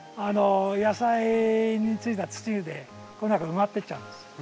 野菜についた土でこの中埋まってっちゃうんです。